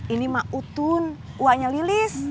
ini mak utun uangnya lilis